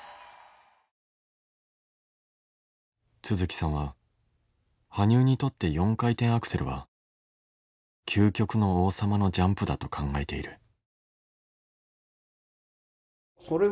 都築さんは羽生にとって４回転アクセルは究極の王様のジャンプだと考えている。